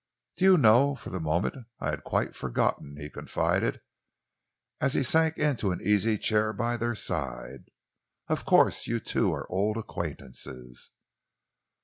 "Do you know, for the moment I had quite forgotten," he confided, as he sank into an easy chair by their side. "Of course, you two are old acquaintances."